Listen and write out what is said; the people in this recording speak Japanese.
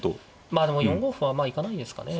まあでも４五歩は行かないですかね。